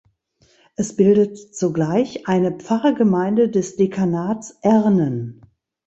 Es bildet zugleich eine Pfarrgemeinde des Dekanats Ernen.